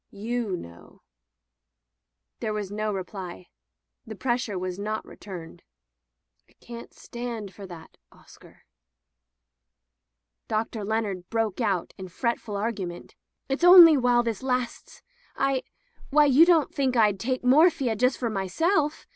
''You know/' There was no reply. The pressure was not returned. "I can't stand for that, Oscar." Dr. Leonard broke out in fretful argu ment: "It's only while this lasts. I — ^why, you don't think Fd take morphia just for my self!